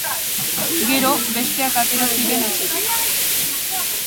Gero, besteak atera ziren etxetik.